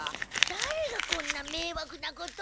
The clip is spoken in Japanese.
だれがこんなめいわくなことを。